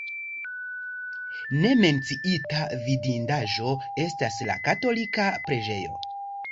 Ne menciita vidindaĵo estas la katolika preĝejo.